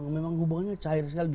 memang hubungannya cair sekali